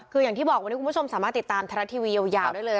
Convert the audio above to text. คืออย่างที่บอกวันนี้คุณผู้ชมสามารถติดตามไทยรัฐทีวียาวได้เลย